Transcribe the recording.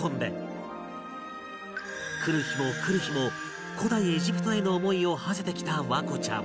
来る日も来る日も古代エジプトへの思いをはせてきた環子ちゃん